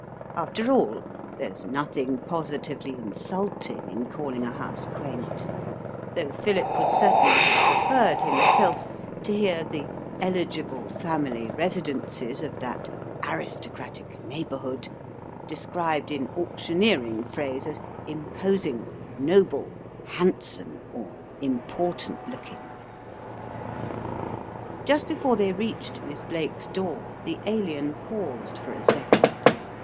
After all, there's nothing positively insulting in calling a house quaint, though Philip would certainly have preferred, himself, to hear the Eligible Family Residences of that Aristocratic Neighbourhood described in auctioneering phrase as "imposing," "noble," "handsome," or "important looking." Just before they reached Miss Blake's door, the Alien paused for a second.